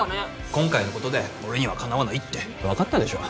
今回のことで俺にはかなわないって分かったでしょ？